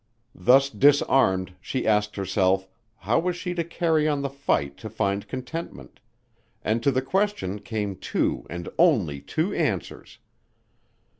Thus disarmed, she asked herself, how was she to carry on the fight to find contentment; and to the question came two and only two answers.